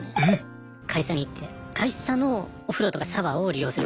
会社に行って会社のお風呂とかシャワーを利用する。